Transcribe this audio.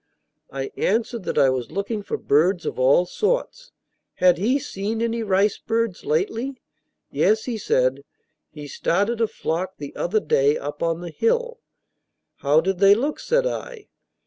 I answered that I was looking for birds of all sorts. Had he seen any ricebirds lately? Yes, he said; he started a flock the other day up on the hill. "How did they look?" said I.